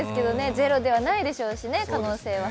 ゼロではないでしょうしね、可能性は。